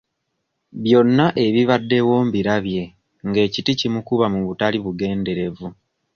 Byonna ebibaddewo mbirabye nga ekiti kimukuba mu butali bugenderevu.